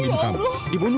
tidak mau ikut